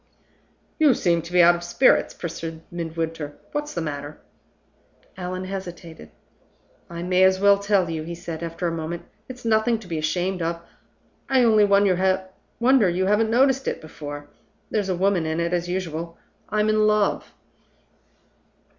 "You seem to be out of spirits?" pursued Midwinter. "What's the matter?" Allan hesitated. "I may as well tell you," he said, after a moment. "It's nothing to be ashamed of; I only wonder you haven't noticed it before! There's a woman in it, as usual I'm in love."